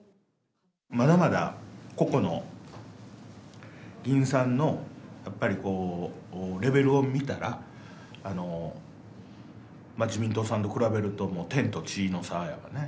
まだまだ個々の議員さんのやっぱりこう、レベルを見たら、自民党さんと比べると天と地の差やからね。